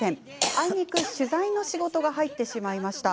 あいにく取材の仕事が入ってしまいました。